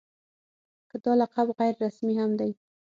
که دا لقب غیر رسمي هم دی.